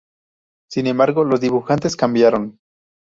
Sin embargo los dibujantes cambiaron.